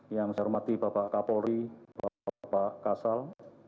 yang saya hormati bapak kapolri bapak kasal